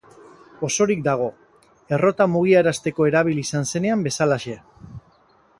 Osorik dago, errota mugiarazteko erabili izan zenean bezalaxe.